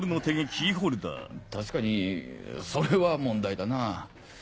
確かにそれは問題だな。